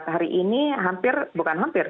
hari ini hampir